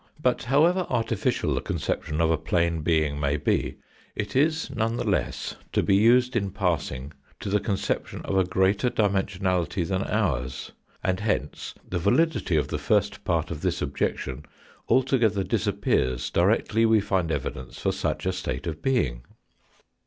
But, however artificial the conception of a plane being may be, it is none the less to be used in passing to the conception of a greater dimensionality than ours, and hence the validity of the first part of this objection altogether disappears directly we find evidence for such a state of being.